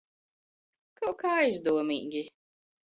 Kaut kā aizdomīgi.